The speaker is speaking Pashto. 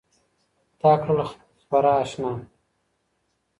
تـا كــړلــه خـــپـــره اشــــنـا